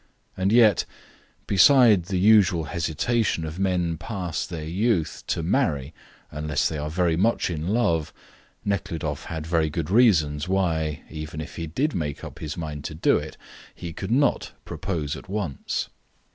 And yet, beside the usual hesitation of men past their youth to marry unless they are very much in love, Nekhludoff had very good reasons why, even if he did make up his mind to it, he could not propose at once.